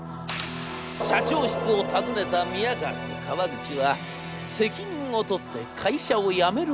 社長室を訪ねた宮河と川口は責任を取って会社を辞める覚悟でした。